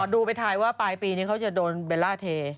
ดูไปทายว่าปลายปีนี้เขาจะโดนเบลล่าเท